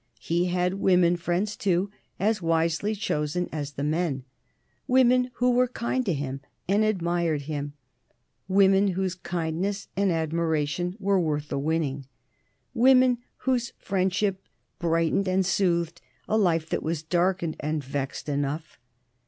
He had women friends too, as wisely chosen as the men women who were kind to him and admired him, women whose kindness and admiration were worth the winning, women whose friendship brightened and soothed a life that was darkened and vexed enough.